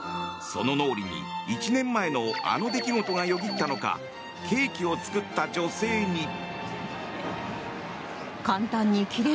その脳裏に１年前のあの出来事がよぎったのかケーキを作った女性に。